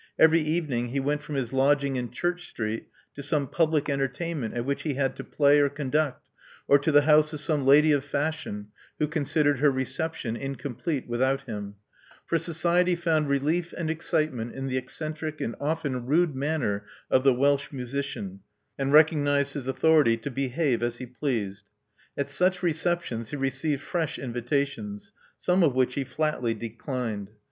Every even ing he went from his lodging in Church Street to some public entertainment at which he had to play or con duct, or to the house of some lady of fashion who considered her reception incomplete without him ; for society'* found relief and excitement in the eccentric and often rude manner of the Welsh musician, and recognized his authority to behave as he pleased. At such receptions he received fresh invitations, some of which he flatly declined.